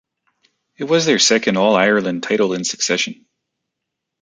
It was their second All-Ireland title in succession.